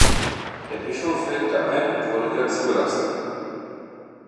Der Bischof willigte ein und wurde wieder zugelassen.